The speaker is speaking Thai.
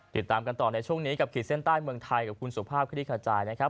ติดตามกันต่อในช่วงนี้กับขีดเส้นใต้เมืองไทยกับคุณสุภาพคลิกขจายนะครับ